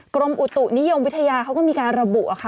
กรมอุตุนิยมวิทยาเขาก็มีการระบุค่ะ